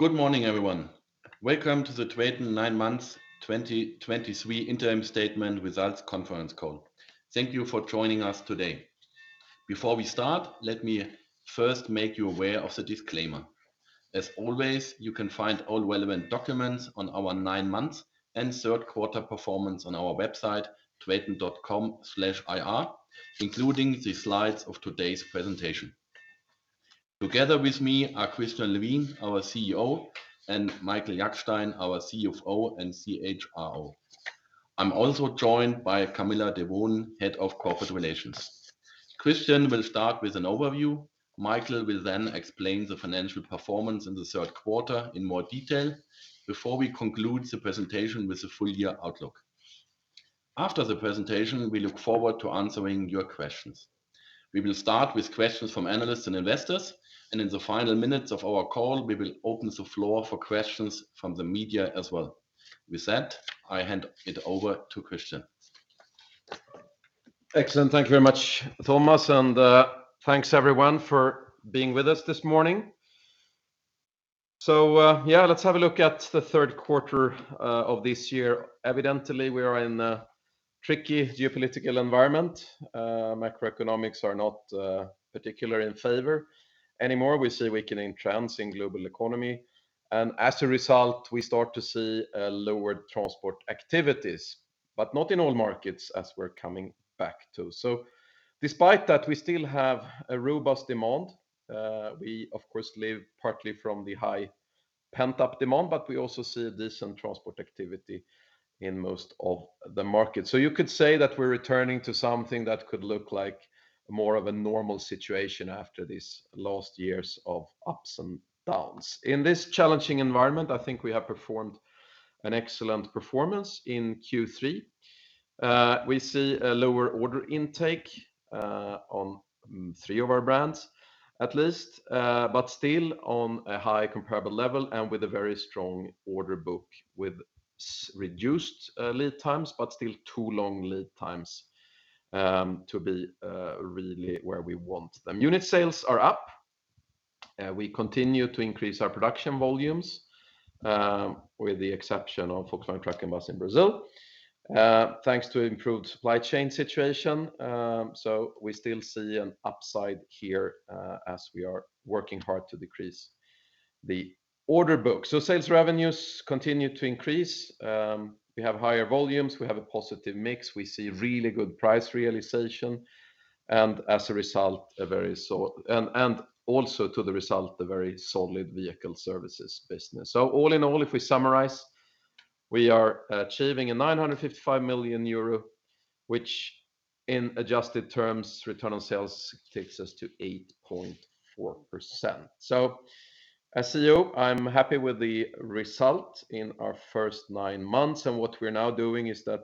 Good morning, everyone. Welcome to the TRATON nine months 2023 interim statement results conference call. Thank you for joining us today. Before we start, let me first make you aware of the disclaimer. As always, you can find all relevant documents on our nine months and third quarter performance on our website, traton.com/ir, including the slides of today's presentation. Together with me are Christian Levin, our CEO, and Michael Jackstein, our CFO and CHRO. I'm also joined by Camilla Dewoon, Head of Corporate Relations. Christian will start with an overview. Michael will then explain the financial performance in the third quarter in more detail before we conclude the presentation with the full year outlook. After the presentation, we look forward to answering your questions. We will start with questions from analysts and investors, and in the final minutes of our call, we will open the floor for questions from the media as well. With that, I hand it over to Christian. Excellent. Thank you very much, Thomas, and, thanks, everyone, for being with us this morning. So, yeah, let's have a look at the third quarter, of this year. Evidently, we are in a tricky geopolitical environment. Macroeconomics are not, particularly in favor anymore. We see weakening trends in global economy, and as a result, we start to see, lowered transport activities, but not in all markets as we're coming back to. So despite that, we still have a robust demand. We, of course, live partly from the high pent-up demand, but we also see a decent transport activity in most of the markets. So you could say that we're returning to something that could look like more of a normal situation after these last years of ups and downs. In this challenging environment, I think we have performed an excellent performance in Q3. We see a lower order intake on three of our brands, at least, but still on a high comparable level and with a very strong order book with reduced lead times, but still too long lead times to be really where we want them. Unit sales are up. We continue to increase our production volumes with the exception of Volkswagen Truck & Bus in Brazil, thanks to improved supply chain situation. We still see an upside here, as we are working hard to decrease the order book. Sales revenues continue to increase. We have higher volumes. We have a positive mix. We see really good price realization, and as a result, a very solid vehicle services business. So all in all, if we summarize, we are achieving 955 million euro, which, in adjusted terms, return on sales takes us to 8.4%. So as CEO, I'm happy with the result in our first nine months, and what we're now doing is that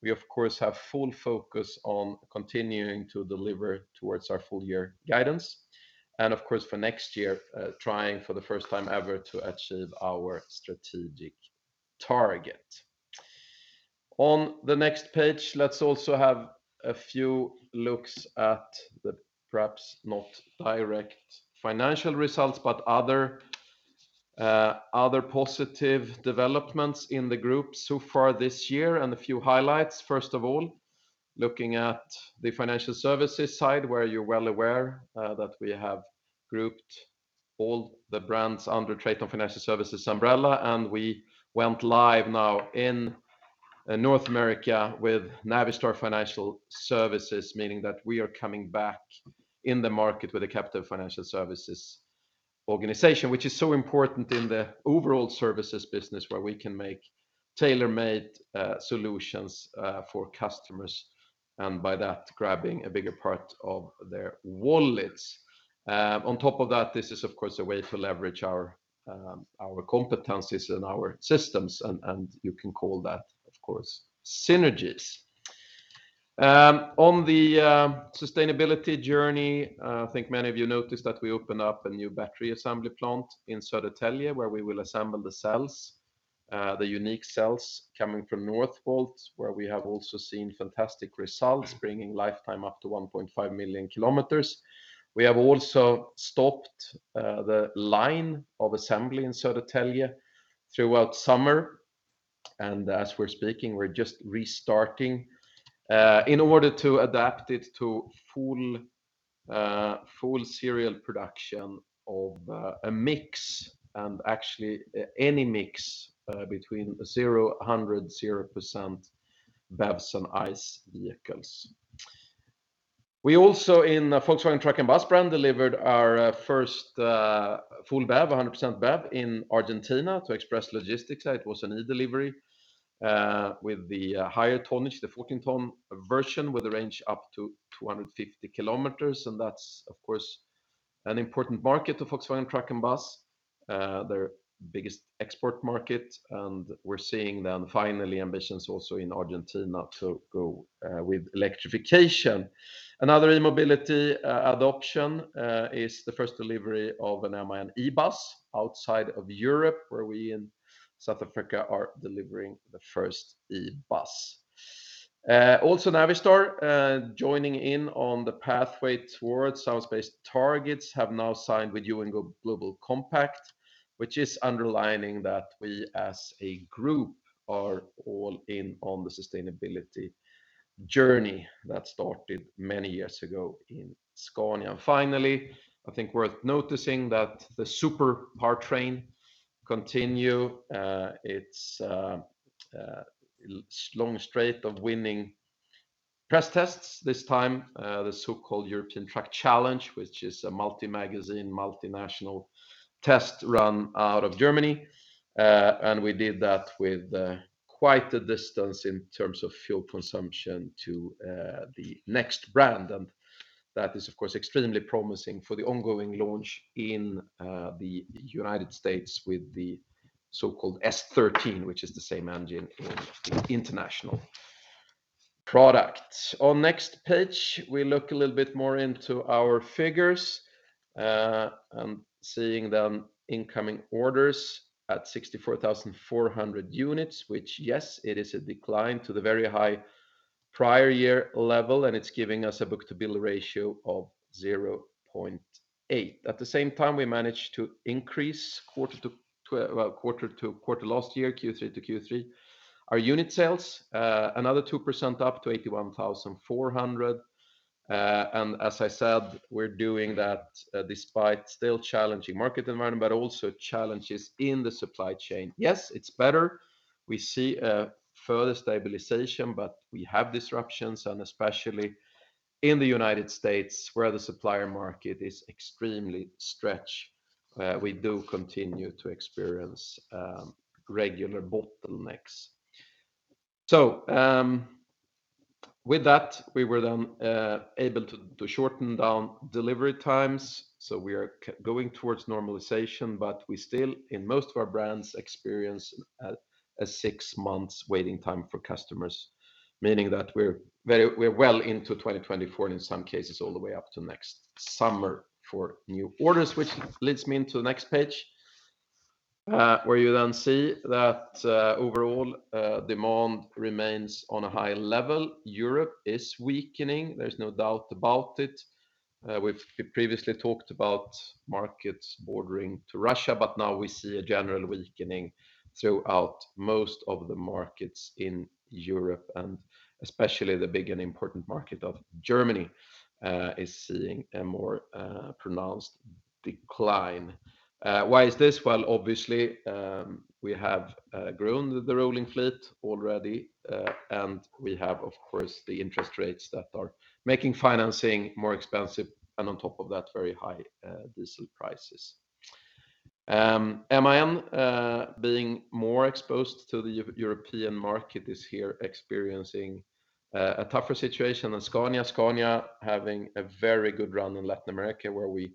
we, of course, have full focus on continuing to deliver towards our full year guidance, and of course, for next year, trying for the first time ever, to achieve our strategic target. On the next page, let's also have a few looks at the perhaps not direct financial results, but other, other positive developments in the group so far this year, and a few highlights. First of all, looking at the financial services side, where you're well aware, that we have grouped all the brands under TRATON Financial Services umbrella, and we went live now in, North America with Navistar Financial Services, meaning that we are coming back in the market with a captive financial services organization, which is so important in the overall services business, where we can make tailor-made, solutions, for customers, and by that, grabbing a bigger part of their wallets. On top of that, this is, of course, a way to leverage our, our competencies and our systems, and you can call that, of course, synergies. On the sustainability journey, I think many of you noticed that we opened up a new battery assembly plant in Södertälje, where we will assemble the cells, the unique cells coming from Northvolt, where we have also seen fantastic results, bringing lifetime up to 1.5 million km. We have also stopped the line of assembly in Södertälje throughout summer, and as we're speaking, we're just restarting in order to adapt it to full serial production of a mix, and actually, any mix between 0%-100% BEVs and ICE vehicles. We also, in the Volkswagen Truck & Bus brand, delivered our first full BEV, a 100% BEV, in Argentina to Express Logistics. It was an e-Delivery with the higher tonnage, the 14-ton version, with a range up to 250 km, and that's, of course, an important market to Volkswagen Truck & Bus, their biggest export market, and we're seeing then finally ambitions also in Argentina to go with electrification. Another e-mobility adoption is the first delivery of an MAN eBus outside of Europe, where we in South Africa are delivering the first eBus. Also Navistar joining in on the pathway towards science-based targets have now signed with UN Global Compact, which is underlining that we, as a group, are all in on the sustainability journey that started many years ago in Scania. Finally, I think worth noticing that the Super powertrain continue its long streak of winning press tests. This time, the so-called European Truck Challenge, which is a multi-magazine, multinational test run out of Germany. And we did that with quite a distance in terms of fuel consumption to the next brand, and that is, of course, extremely promising for the ongoing launch in the United States with the so-called S13, which is the same engine in International products. On next page, we look a little bit more into our figures, and seeing the incoming orders at 64,400 units, which, yes, it is a decline to the very high prior year level, and it's giving us a book-to-bill ratio of 0.8. At the same time, we managed to increase quarter to quarter last year, Q3 to Q3. Our unit sales another 2% up to 81,400. And as I said, we're doing that despite still challenging market environment, but also challenges in the supply chain. Yes, it's better. We see a further stabilization, but we have disruptions, and especially in the United States, where the supplier market is extremely stretched, we do continue to experience regular bottlenecks. So, with that, we were then able to shorten down delivery times, so we are going towards normalization, but we still, in most of our brands, experience a 6 months waiting time for customers, meaning that we're well into 2024, and in some cases, all the way up to next summer for new orders. Which leads me into the next page, where you then see that overall demand remains on a high level. Europe is weakening, there's no doubt about it. We've previously talked about markets bordering to Russia, but now we see a general weakening throughout most of the markets in Europe, and especially the big and important market of Germany is seeing a more pronounced decline. Why is this? Well, obviously, we have grown the rolling fleet already, and we have, of course, the interest rates that are making financing more expensive, and on top of that, very high diesel prices. MAN, being more exposed to the European market, is here experiencing a tougher situation than Scania. Scania, having a very good run in Latin America, where we,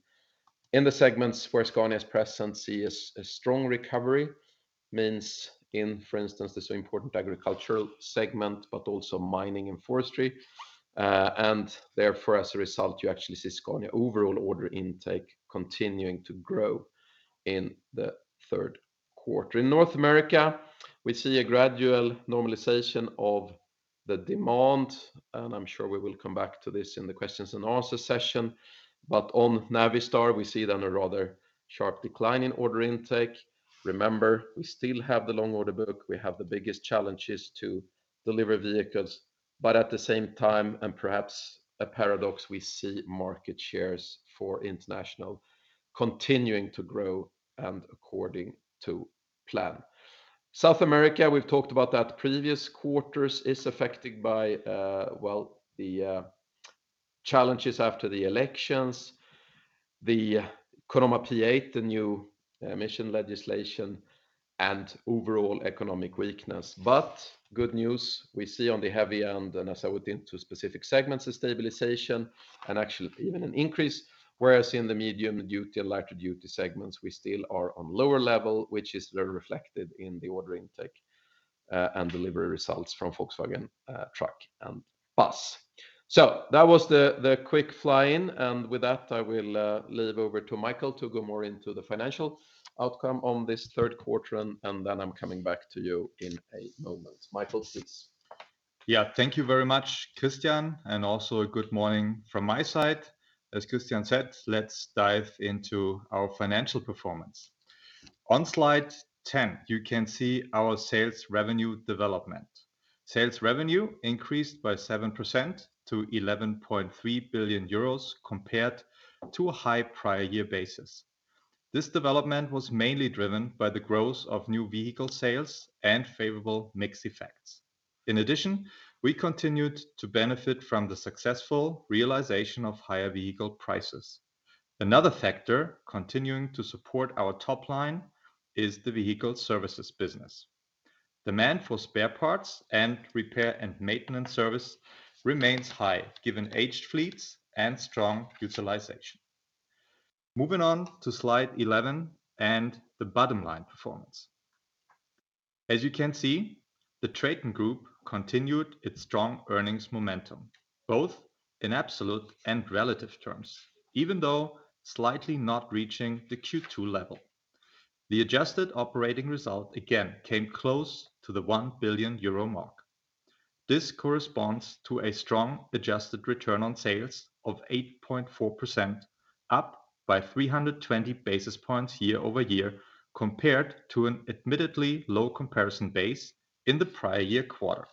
in the segments where Scania is present, see a strong recovery, means in, for instance, the so important agricultural segment, but also mining and forestry. and therefore, as a result, you actually see Scania overall order intake continuing to grow in the third quarter. In North America, we see a gradual normalization of the demand, and I'm sure we will come back to this in the questions and answer session. But on Navistar, we see then a rather sharp decline in order intake. Remember, we still have the long order book. We have the biggest challenges to deliver vehicles, but at the same time, and perhaps a paradox, we see market shares for International continuing to grow and according to plan. South America, we've talked about that previous quarters, is affected by, well, the, challenges after the elections, the Conama P8, the new, emission legislation, and overall economic weakness. But good news, we see on the heavy end, and as I went into specific segments, a stabilization and actually even an increase, whereas in the medium-duty and light-duty segments, we still are on lower level, which is reflected in the order intake, and delivery results from Volkswagen Truck & Bus. So that was the, the quick fly-in, and with that, I will, leave over to Michael to go more into the financial outcome on this third quarter, and, then I'm coming back to you in a moment. Michael, please. Yeah. Thank you very much, Christian, and also a good morning from my side. As Christian said, let's dive into our financial performance. On slide 10, you can see our sales revenue development. Sales revenue increased by 7% to 11.3 billion euros compared to a high prior year basis. This development was mainly driven by the growth of new vehicle sales and favorable mix effects. In addition, we continued to benefit from the successful realization of higher vehicle prices. Another factor continuing to support our top line is the vehicle services business. Demand for spare parts and repair and maintenance service remains high, given aged fleets and strong utilization. Moving on to slide 11 and the bottom line performance. As you can see, the TRATON GROUP continued its strong earnings momentum, both in absolute and relative terms, even though slightly not reaching the Q2 level. The adjusted operating result again came close to the 1 billion euro mark. This corresponds to a strong adjusted return on sales of 8.4%, up by 320 basis points year-over-year, compared to an admittedly low comparison base in the prior year quarter.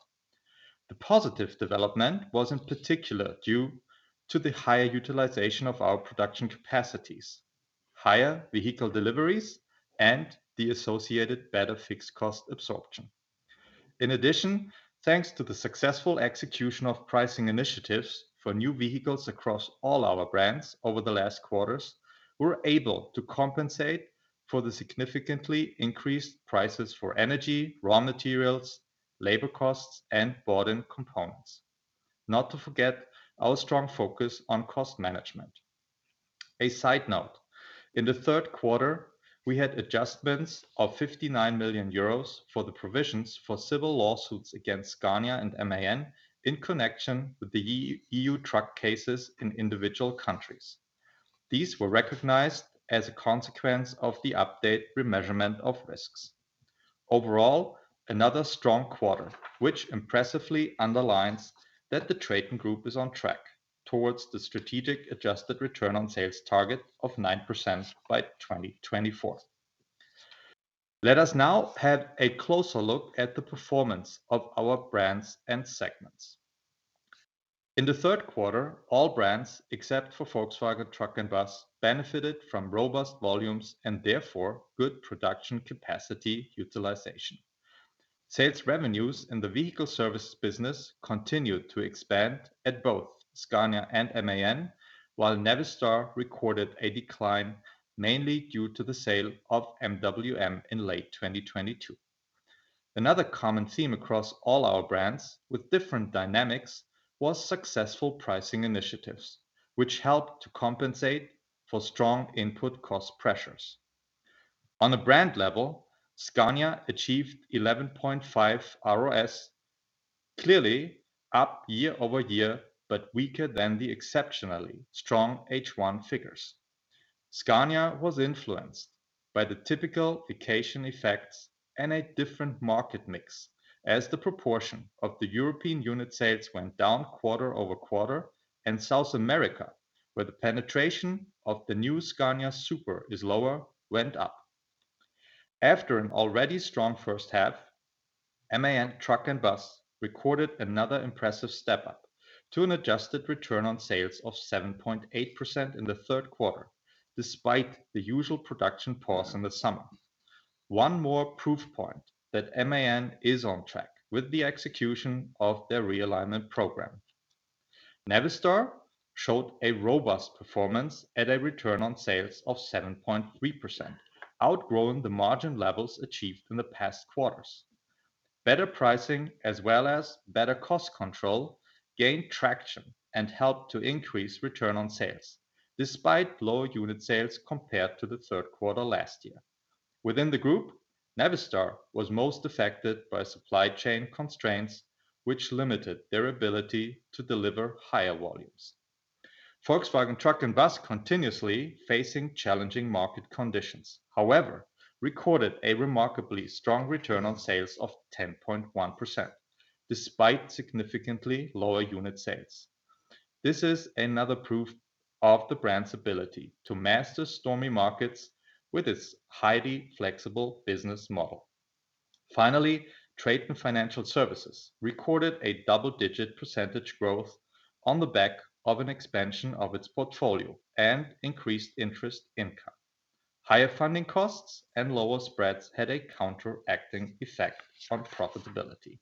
The positive development was in particular due to the higher utilization of our production capacities, higher vehicle deliveries, and the associated better fixed cost absorption. In addition, thanks to the successful execution of pricing initiatives for new vehicles across all our brands over the last quarters, we're able to compensate for the significantly increased prices for energy, raw materials, labor costs, and bought-in components. Not to forget our strong focus on cost management. A side note, in the third quarter, we had adjustments of 59 million euros for the provisions for civil lawsuits against Scania and MAN in connection with the EU truck cases in individual countries. These were recognized as a consequence of the update remeasurement of risks. Overall, another strong quarter, which impressively underlines that the TRATON GROUP is on track towards the strategic adjusted return on sales target of 9% by 2024. Let us now have a closer look at the performance of our brands and segments. In the third quarter, all brands, except for Volkswagen Truck & Bus, benefited from robust volumes and therefore good production capacity utilization. Sales revenues in the vehicle service business continued to expand at both Scania and MAN, while Navistar recorded a decline, mainly due to the sale of MWM in late 2022. Another common theme across all our brands with different dynamics was successful pricing initiatives, which helped to compensate for strong input cost pressures. On a brand level, Scania achieved 11.5 ROS, clearly up year-over-year, but weaker than the exceptionally strong H1 figures. Scania was influenced by the typical vacation effects and a different market mix, as the proportion of the European unit sales went down quarter-over-quarter, and South America, where the penetration of the new Scania Super is lower, went up. After an already strong first half, MAN Truck & Bus recorded another impressive step up to an adjusted return on sales of 7.8% in the third quarter, despite the usual production pause in the summer. One more proof point that MAN is on track with the execution of their realignment program. Navistar showed a robust performance at a return on sales of 7.3%, outgrowing the margin levels achieved in the past quarters. Better pricing, as well as better cost control, gained traction and helped to increase return on sales, despite lower unit sales compared to the third quarter last year. Within the group, Navistar was most affected by supply chain constraints, which limited their ability to deliver higher volumes. Volkswagen Truck & Bus, continuously facing challenging market conditions, however, recorded a remarkably strong return on sales of 10.1%, despite significantly lower unit sales. This is another proof of the brand's ability to master stormy markets with its highly flexible business model. Finally, TRATON Financial Services recorded a double-digit percentage growth on the back of an expansion of its portfolio and increased interest income. Higher funding costs and lower spreads had a counteracting effect on profitability.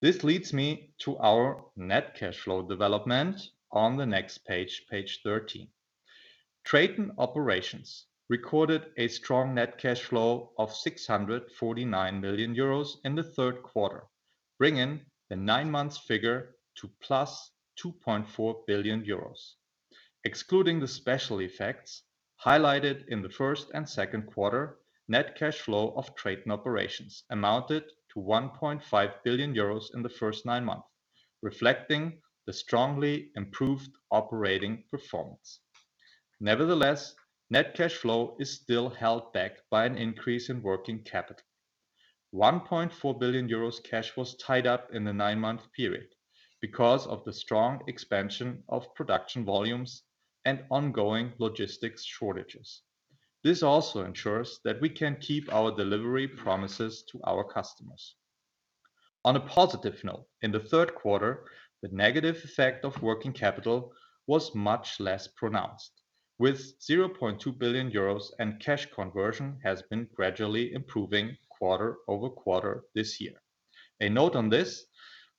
This leads me to our net cash flow development on the next page, page 13. TRATON Operations recorded a strong net cash flow of 649 million euros in the third quarter, bringing the nine-month figure to +2.4 billion euros. Excluding the special effects highlighted in the first and second quarter, net cash flow of TRATON Operations amounted to 1.5 billion euros in the first nine months, reflecting the strongly improved operating performance. Nevertheless, net cash flow is still held back by an increase in working capital. 1.4 billion euros cash was tied up in the nine-month period because of the strong expansion of production volumes and ongoing logistics shortages. This also ensures that we can keep our delivery promises to our customers. On a positive note, in the third quarter, the negative effect of working capital was much less pronounced, with 0.2 billion euros, and cash conversion has been gradually improving quarter-over-quarter this year. A note on this: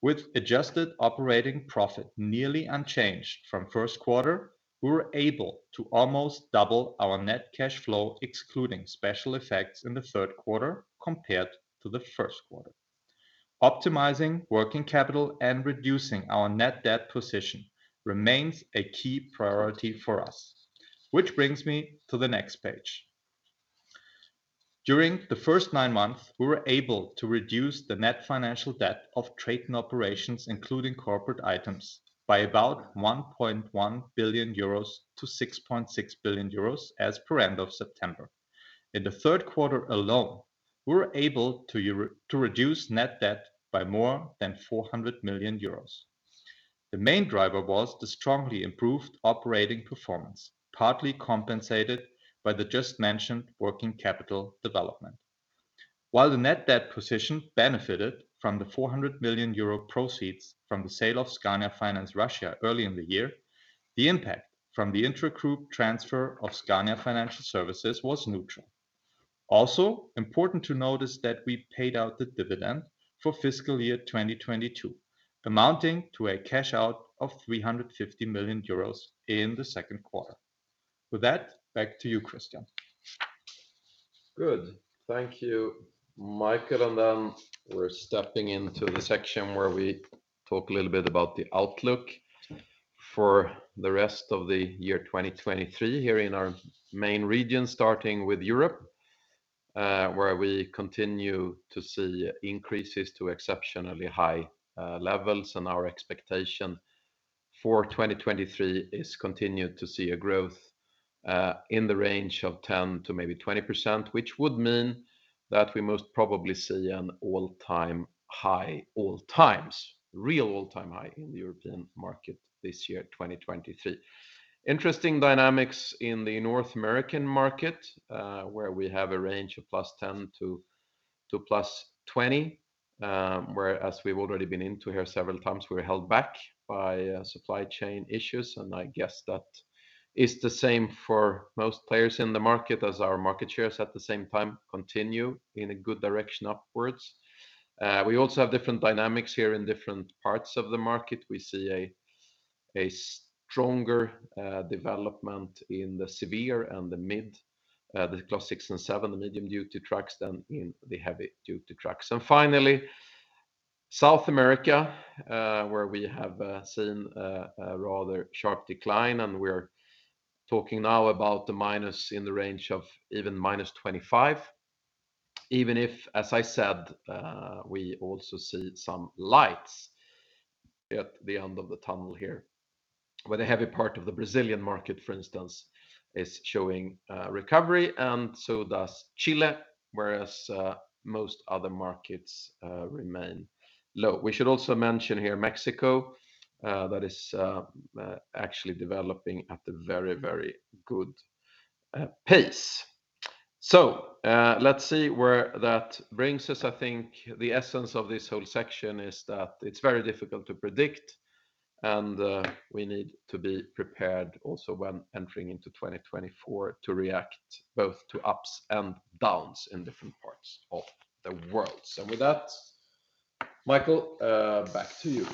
with adjusted operating profit nearly unchanged from first quarter, we were able to almost double our net cash flow, excluding special effects in the third quarter compared to the first quarter. Optimizing working capital and reducing our net debt position remains a key priority for us, which brings me to the next page. During the first nine months, we were able to reduce the net financial debt of TRATON operations, including corporate items, by about 1.1 billion euros to 6.6 billion euros as per end of September. In the third quarter alone, we were able to to reduce net debt by more than 400 million euros. The main driver was the strongly improved operating performance, partly compensated by the just mentioned working capital development. While the net debt position benefited from the 400 million euro proceeds from the sale of Scania Finance Russia early in the year, the impact from the intragroup transfer of Scania Financial Services was neutral. Also, important to note is that we paid out the dividend for fiscal year 2022, amounting to a cash out of 350 million euros in the second quarter. With that, back to you, Christian. Good. Thank you, Michael. And then we're stepping into the section where we talk a little bit about the outlook for the rest of the year 2023 here in our main region, starting with Europe, where we continue to see increases to exceptionally high levels. And our expectation for 2023 is continued to see a growth in the range of 10% to maybe 20%, which would mean that we most probably see an all-time high, all times, real all-time high in the European market this year, 2023. Interesting dynamics in the North American market, where we have a range of +10 to +20, whereas we've already been into here several times, we're held back by supply chain issues, and I guess that is the same for most players in the market as our market shares at the same time continue in a good direction upwards. We also have different dynamics here in different parts of the market. We see a stronger development in the severe and the mid the Class 6 and 7, the medium-duty trucks than in the heavy-duty trucks. And finally, South America, where we have seen a rather sharp decline, and we are talking now about the minus in the range of even -25. Even if, as I said, we also see some lights at the end of the tunnel here, where the heavy part of the Brazilian market, for instance, is showing recovery, and so does Chile, whereas most other markets remain low. We should also mention here, Mexico, that is actually developing at a very, very good pace. So, let's see where that brings us. I think the essence of this whole section is that it's very difficult to predict, and we need to be prepared also when entering into 2024 to react both to ups and downs in different parts of the world. So with that, Michael, back to you.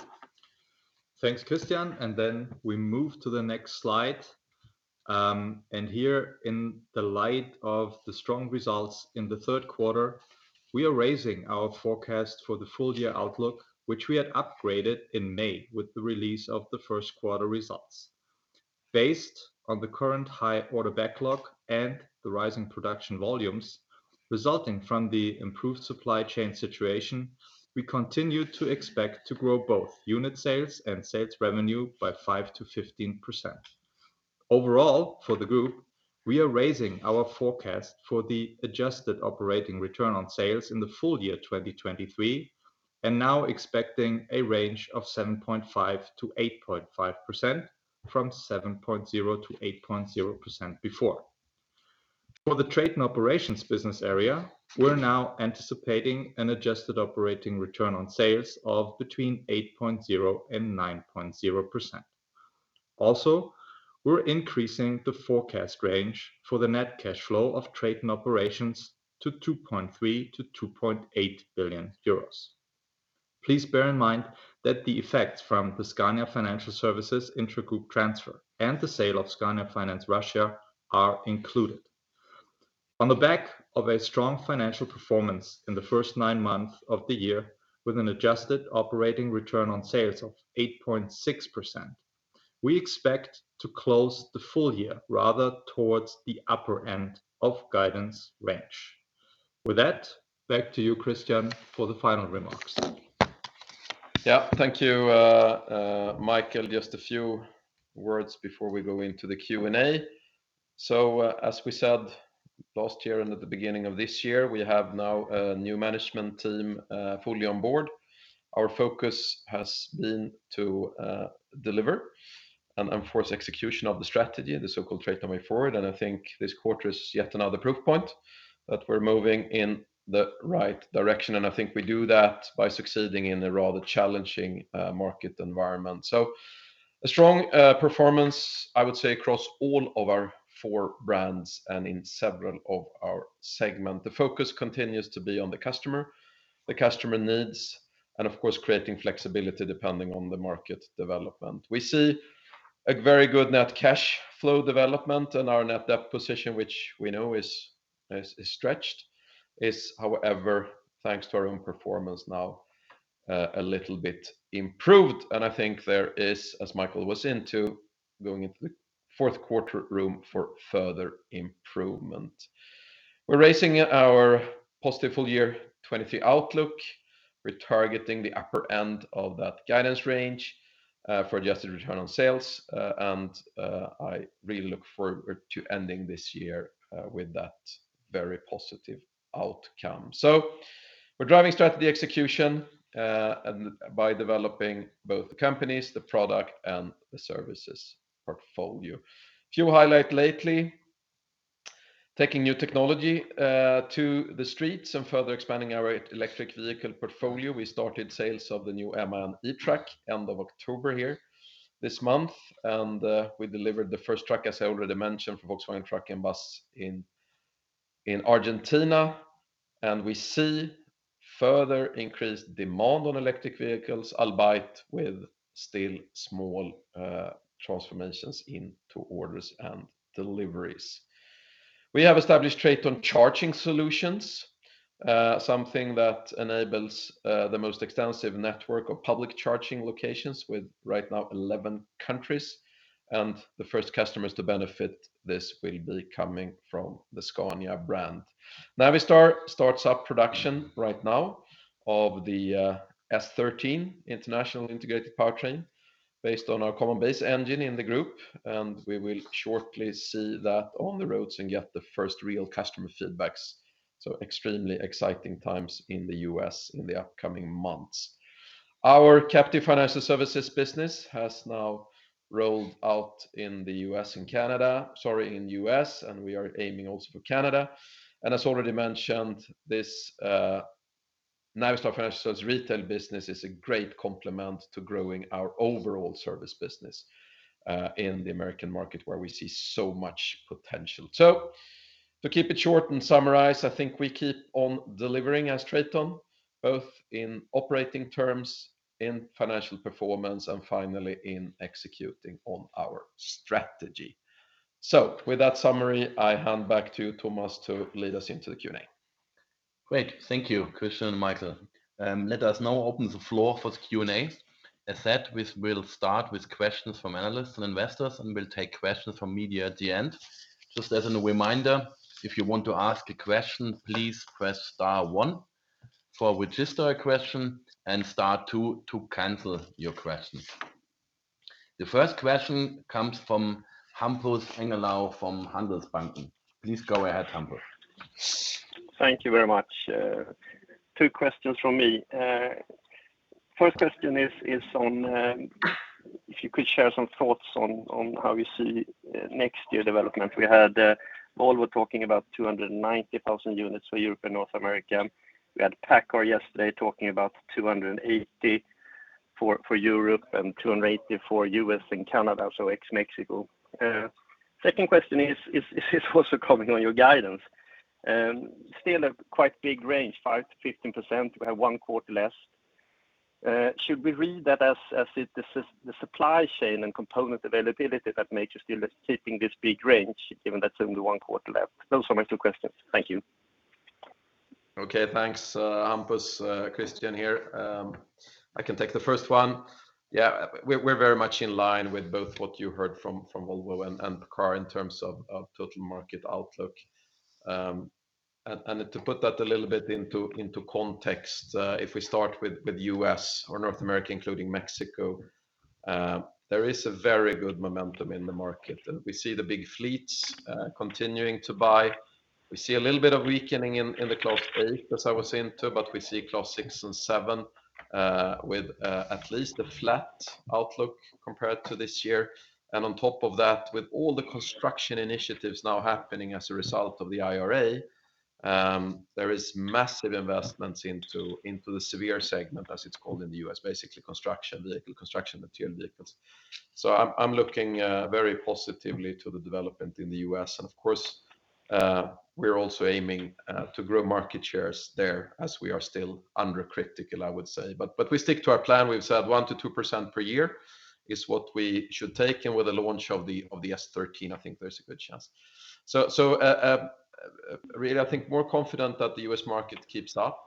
Thanks, Christian, and then we move to the next slide. And here in the light of the strong results in the third quarter, we are raising our forecast for the full year outlook, which we had upgraded in May with the release of the first quarter results. Based on the current high order backlog and the rising production volumes resulting from the improved supply chain situation, we continue to expect to grow both unit sales and sales revenue by 5%-15%. Overall, for the group, we are raising our forecast for the adjusted operating return on sales in the full year 2023, and now expecting a range of 7.5%-8.5% from 7.0%-8.0% before. For the trade and operations business area, we're now anticipating an adjusted operating return on sales of between 8.0%-9.0%. Also, we're increasing the forecast range for the net cash flow of trade and operations to 2.3 billion-2.8 billion euros. Please bear in mind that the effects from the Scania Financial Services intragroup transfer and the sale of Scania Finance Russia are included. On the back of a strong financial performance in the first nine months of the year, with an adjusted operating return on sales of 8.6%, we expect to close the full year rather towards the upper end of guidance range. With that, back to you, Christian, for the final remarks. Yeah. Thank you, Michael. Just a few words before we go into the Q&A. So as we said last year and at the beginning of this year, we have now a new management team, fully on board. Our focus has been to, deliver and enforce execution of the strategy, the so-called TRATON Way Forward. And I think this quarter is yet another proof point that we're moving in the right direction, and I think we do that by succeeding in a rather challenging, market environment. So a strong, performance, I would say, across all of our four brands and in several of our segment. The focus continues to be on the customer, the customer needs, and of course, creating flexibility depending on the market development. We see a very good net cash flow development and our net debt position, which we know is stretched, is, however, thanks to our own performance, now a little bit improved. And I think there is, as Michael was going into the fourth quarter, room for further improvement. We're raising our positive full year 2023 outlook. We're targeting the upper end of that guidance range for adjusted return on sales. And I really look forward to ending this year with that very positive outcome. So we're driving strategy execution and by developing both the companies, the product, and the services portfolio. Few highlights lately, taking new technology to the streets and further expanding our electric vehicle portfolio. We started sales of the new MAN eTruck, end of October here, this month, and we delivered the first truck, as I already mentioned, for Volkswagen Truck & Bus in Argentina. And we see further increased demand on electric vehicles, albeit with still small transformations into orders and deliveries. We have established TRATON Charging Solutions, something that enables the most extensive network of public charging locations with right now 11 countries, and the first customers to benefit this will be coming from the Scania brand. Navistar starts up production right now of the S13 International integrated powertrain, based on our Common Base Engine in the group, and we will shortly see that on the roads and get the first real customer feedbacks. So extremely exciting times in the U.S. in the upcoming months. Our captive financial services business has now rolled out in the U.S. and Canada—sorry, in U.S., and we are aiming also for Canada. And as already mentioned, this, Navistar Financial Services retail business is a great complement to growing our overall service business, in the American market, where we see so much potential. So to keep it short and summarize, I think we keep on delivering as TRATON, both in operating terms, in financial performance, and finally in executing on our strategy. So with that summary, I hand back to you, Thomas, to lead us into the Q&A. Great. Thank you, Christian and Michael. Let us now open the floor for the Q&A. As said, we will start with questions from analysts and investors, and we'll take questions from media at the end. Just as a reminder, if you want to ask a question, please press star one to register a question and star two to cancel your question. The first question comes from Hampus Engellau from Handelsbanken. Please go ahead, Hampus. Thank you very much. Two questions from me. First question is on if you could share some thoughts on how you see next year development. We had Volvo talking about 290,000 units for Europe and North America. We had PACCAR yesterday talking about 280 for Europe and 280 for U.S. and Canada, so ex-Mexico. Second question is also coming on your guidance. Still a quite big range, 5%-15%. We have one quarter less. Should we read that as is the supply chain and component availability that makes you still keeping this big range, given that's only one quarter left? Those are my two questions. Thank you. Okay. Thanks, Hampus, Christian here. I can take the first one. Yeah, we're very much in line with both what you heard from, from Volvo and, and PACCAR in terms of, of total market outlook. And to put that a little bit into, into context, if we start with, with U.S. or North America, including Mexico, there is a very good momentum in the market, and we see the big fleets, continuing to buy. We see a little bit of weakening in, in the Class 8, as I was saying, too, but we see Class 6 and 7, with, at least a flat outlook compared to this year. On top of that, with all the construction initiatives now happening as a result of the IRA, there is massive investment into the severe segment, as it's called in the U.S., basically construction vehicle, construction material vehicles. I'm looking very positively to the development in the U.S. Of course, we're also aiming to grow market shares there, as we are still under critical, I would say. We stick to our plan. We've said 1-2% per year is what we should take, and with the launch of the S13, I think there's a good chance. Really, I think more confident that the U.S. market keeps up.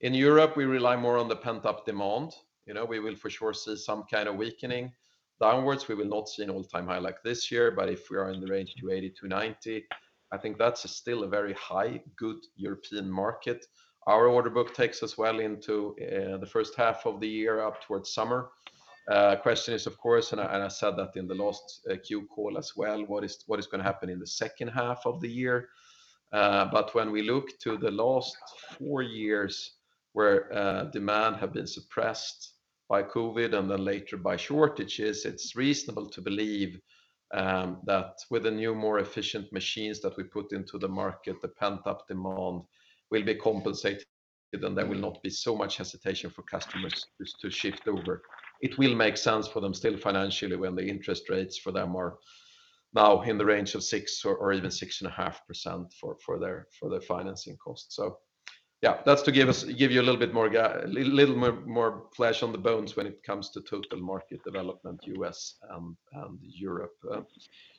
In Europe, we rely more on the pent-up demand. You know, we will for sure see some kind of weakening downwards. We will not see an all-time high like this year, but if we are in the range 280-290, I think that's still a very high, good European market. Our order book takes us well into the first half of the year, up towards summer. Question is, of course, and I said that in the last Q call as well, what is going to happen in the second half of the year? But when we look to the last four years, where demand have been suppressed by COVID and then later by shortages, it's reasonable to believe that with the new, more efficient machines that we put into the market, the pent-up demand will be compensated, and there will not be so much hesitation for customers to shift over. It will make sense for them still financially, when the interest rates for them are now in the range of 6% or even 6.5% for their financing costs. So yeah, that's to give you a little bit more flesh on the bones when it comes to total market development, US and Europe.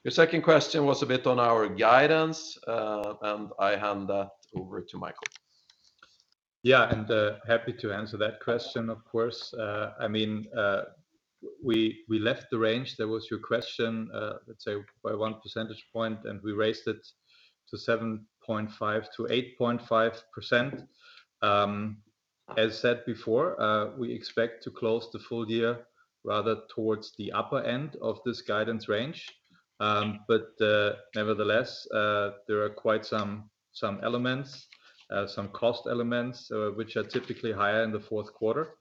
Your second question was a bit on our guidance, and I hand that over to Michael. Yeah, and, happy to answer that question, of course. I mean, we left the range, that was your question, let's say by one percentage point, and we raised it to 7.5%-8.5%. As said before, we expect to close the full year rather towards the upper end of this guidance range. But, nevertheless, there are quite some elements, some cost elements, which are typically higher in the fourth quarter,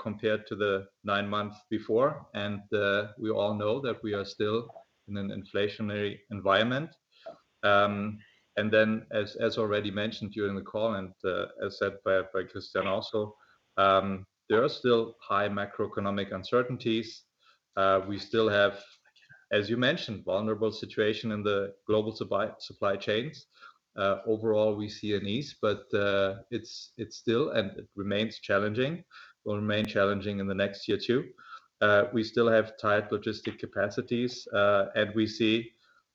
compared to the nine months before. We all know that we are still in an inflationary environment. And then as already mentioned during the call, and as said by Christian also, there are still high macroeconomic uncertainties. We still have, as you mentioned, vulnerable situation in the global supply chains. Overall, we see an ease, but it's still and it remains challenging. Will remain challenging in the next year, too. We still have tight logistics capacities, and we see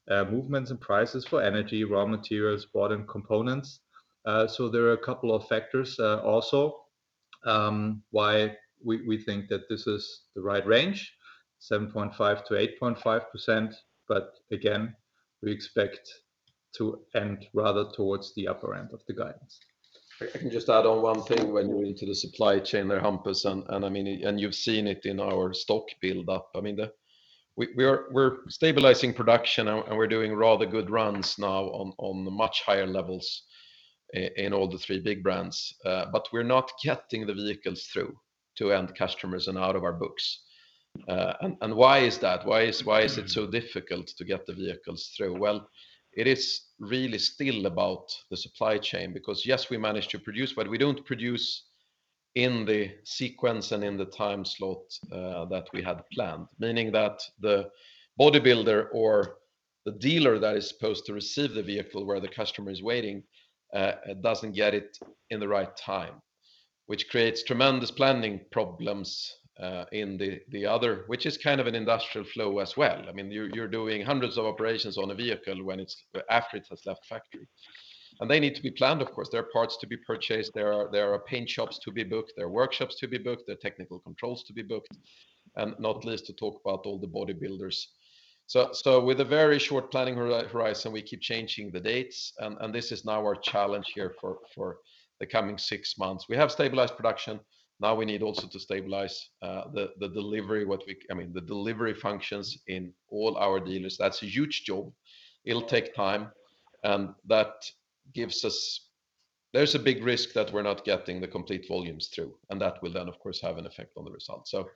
movements in prices for energy, raw materials, bottom components. So there are a couple of factors, also, why we think that this is the right range, 7.5%-8.5%, but again, we expect to end rather towards the upper end of the guidance. If I can just add on one thing when you're into the supply chain there, Hampus, and I mean, and you've seen it in our stock build-up. I mean, we're stabilizing production and we're doing rather good runs now on the much higher levels in all the three big brands. But we're not getting the vehicles through to end customers and out of our books. And why is that? Why is it so difficult to get the vehicles through? Well, it is really still about the supply chain, because yes, we managed to produce, but we don't produce in the sequence and in the time slot that we had planned. Meaning that the bodybuilder or the dealer that is supposed to receive the vehicle, where the customer is waiting, doesn't get it in the right time, which creates tremendous planning problems in the, the other... Which is kind of an industrial flow as well. I mean, you're, you're doing hundreds of operations on a vehicle when it's, after it has left factory. And they need to be planned, of course. There are parts to be purchased, there are, there are paint shops to be booked, there are workshops to be booked, there are technical controls to be booked, and not least, to talk about all the bodybuilders. With a very short planning horizon, we keep changing the dates, and this is now our challenge here for the coming six months. We have stabilized production. Now we need also to stabilize the delivery, I mean, the delivery functions in all our dealers. That's a huge job. It'll take time, and that gives us, there's a big risk that we're not getting the complete volumes through, and that will then, of course, have an effect on the results. So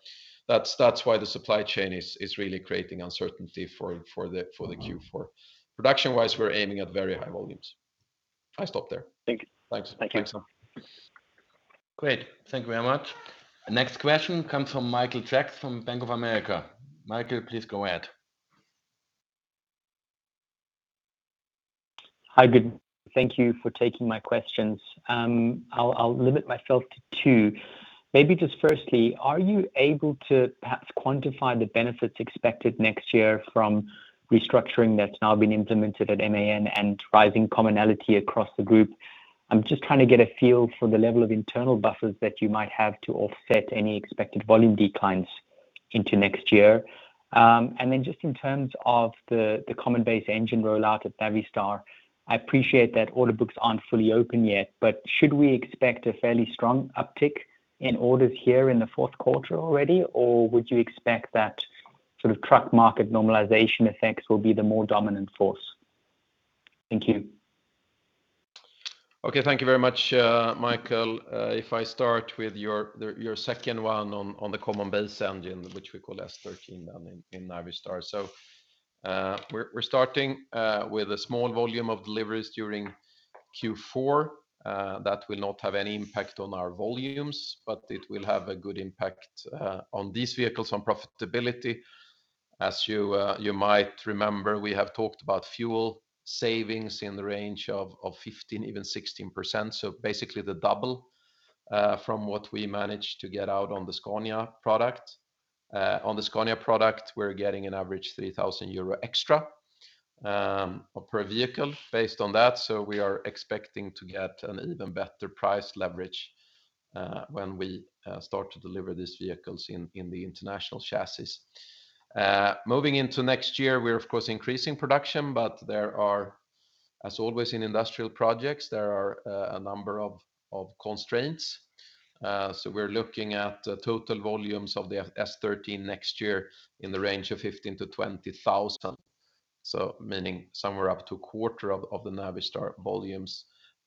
that's why the supply chain is really creating uncertainty for the Q4. Production-wise, we're aiming at very high volumes. I stop there. Thank you. Thanks. Thank you. Thanks. Great. Thank you very much. The next question comes from Michael Jacks from Bank of America. Michael, please go ahead. Hi, thank you for taking my questions. I'll limit myself to two. Maybe just firstly, are you able to perhaps quantify the benefits expected next year from restructuring that's now been implemented at MAN and rising commonality across the group? I'm just trying to get a feel for the level of internal buffers that you might have to offset any expected volume declines into next year. And then just in terms of the common base engine rollout at Navistar, I appreciate that order books aren't fully open yet, but should we expect a fairly strong uptick in orders here in the fourth quarter already, or would you expect that sort of truck market normalization effects will be the more dominant force? Thank you. Okay. Thank you very much, Michael. If I start with your, the, your second one on the common base engine, which we call S13, in Navistar. So, we're starting with a small volume of deliveries during Q4. That will not have any impact on our volumes, but it will have a good impact on these vehicles, on profitability. As you might remember, we have talked about fuel savings in the range of 15%, even 16%. So basically, the double from what we managed to get out on the Scania product. On the Scania product, we're getting an average 3,000 euro extra per vehicle based on that. So we are expecting to get an even better price leverage when we start to deliver these vehicles in the International chassis. Moving into next year, we're of course increasing production, but there are, as always, in industrial projects, a number of constraints. So we're looking at the total volumes of the S13 next year in the range of 15,000-20,000. So meaning somewhere up to a quarter of the Navistar volumes.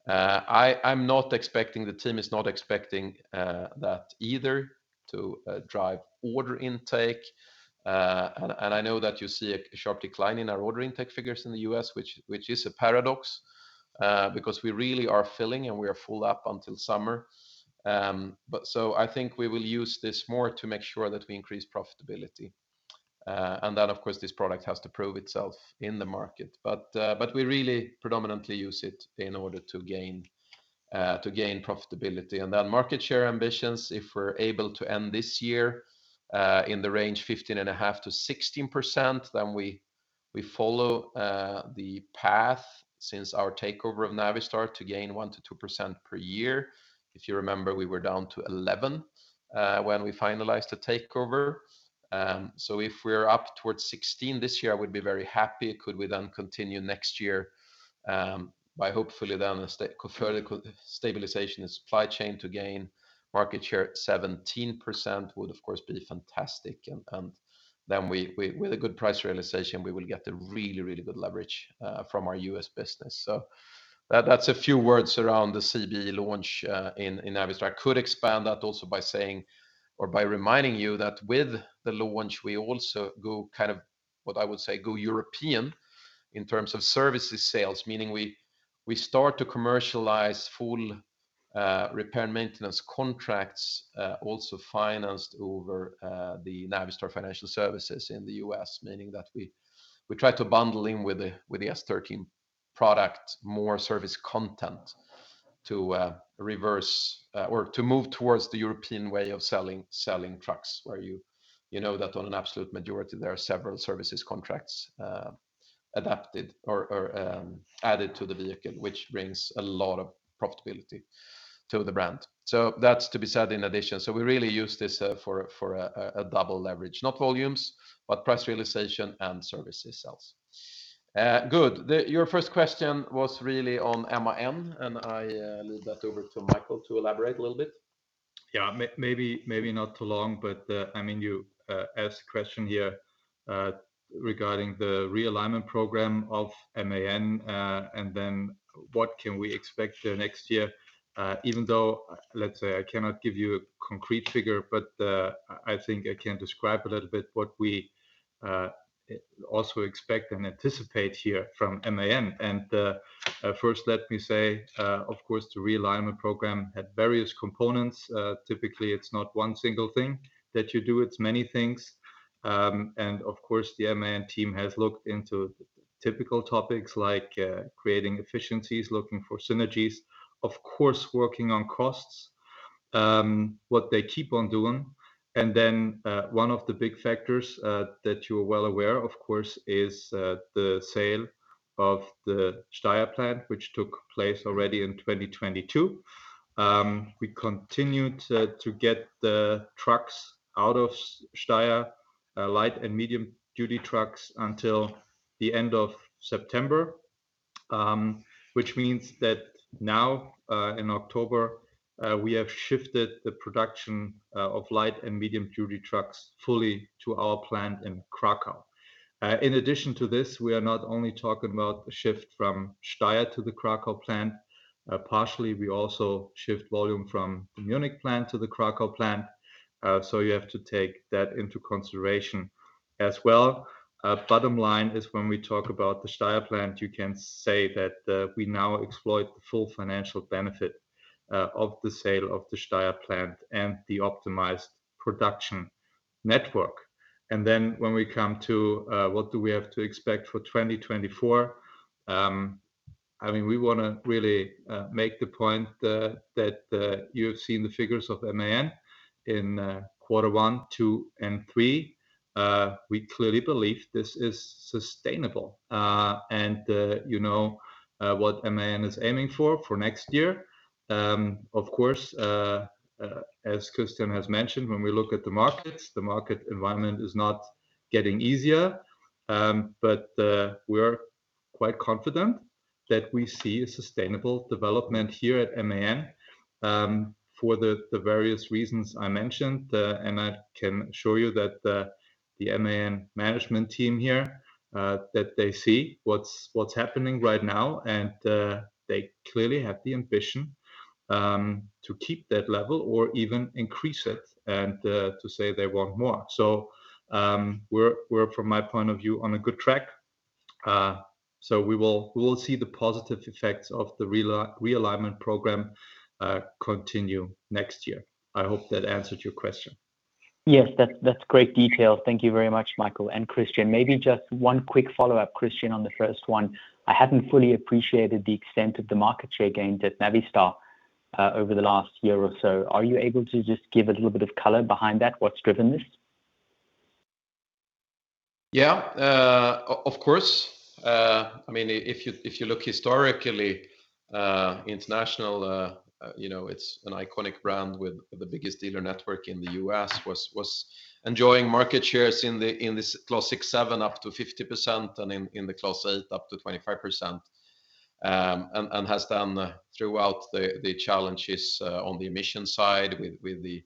I'm not expecting, the team is not expecting, that either to drive order intake. And I know that you see a sharp decline in our order intake figures in the U.S., which is a paradox, because we really are filling, and we are full up until summer. But so I think we will use this more to make sure that we increase profitability. And then, of course, this product has to prove itself in the market. But we really predominantly use it in order to gain profitability. And then market share ambitions, if we're able to end this year in the range 15.5%-16%, then we follow the path since our takeover of Navistar to gain 1%-2% per year. If you remember, we were down to 11% when we finalized the takeover. So if we're up towards 16% this year, I would be very happy. Could we then continue next year by hopefully then the further stabilization and supply chain to gain market share at 17%, would, of course, be fantastic. And then we, with a good price realization, we will get a really, really good leverage from our US business. So that's a few words around the CBE launch in Navistar. I could expand that also by saying or by reminding you that with the launch, we also go, kind of, what I would say, go European in terms of services sales, meaning we start to commercialize full repair and maintenance contracts also financed over the Navistar Financial Services in the U.S. Meaning that we try to bundle in with the S13 product more service content to reverse or to move towards the European way of selling trucks, where you know that on an absolute majority, there are several services contracts adapted or added to the vehicle, which brings a lot of profitability to the brand. So that's to be said in addition. So we really use this for a double leverage. Not volumes, but price realization and services sales. Good. Your first question was really on MAN, and I leave that over to Michael to elaborate a little bit. Yeah. Maybe, maybe not too long, but, I mean, you asked a question here regarding the realignment program of MAN, and then what can we expect there next year? Even though, let's say, I cannot give you a concrete figure, but, I think I can describe a little bit what we also expect and anticipate here from MAN. First, let me say, of course, the realignment program had various components. Typically, it's not one single thing that you do, it's many things. Of course, the MAN team has looked into typical topics like creating efficiencies, looking for synergies, of course, working on costs, what they keep on doing. Then, one of the big factors that you are well aware, of course, is the sale of the Steyr plant, which took place already in 2022. We continued to get the trucks out of Steyr, light and medium-duty trucks until the end of September, which means that now, in October, we have shifted the production of light and medium-duty trucks fully to our plant in Krakow. In addition to this, we are not only talking about the shift from Steyr to the Krakow plant, partially, we also shift volume from the Munich plant to the Krakow plant. So you have to take that into consideration as well. Bottom line is when we talk about the Steyr plant, you can say that we now exploit the full financial benefit of the sale of the Steyr plant and the optimized production network. Then when we come to what do we have to expect for 2024, I mean, we wanna really make the point that you have seen the figures of MAN in quarter one, quarter two, and quarter three. We clearly believe this is sustainable. And you know what MAN is aiming for for next year. Of course, as Christian has mentioned, when we look at the markets, the market environment is not getting easier, but we are quite confident that we see a sustainable development here at MAN for the various reasons I mentioned. And I can assure you that the MAN management team here that they see what's happening right now, and they clearly have the ambition to keep that level or even increase it, and to say they want more. So, we're from my point of view on a good track. So we will see the positive effects of the realignment program continue next year. I hope that answered your question. Yes, that's great detail. Thank you very much, Michael and Christian. Maybe just one quick follow-up, Christian, on the first one. I hadn't fully appreciated the extent of the market share gain that Navistar over the last year or so. Are you able to just give a little bit of color behind that? What's driven this? Yeah, of course. I mean, if you look historically, International, you know, it's an iconic brand with the biggest dealer network in the U.S., was enjoying market shares in the Class 6, Class 7, up to 50%, and in the Class 8, up to 25%. And has done throughout the challenges on the emission side with the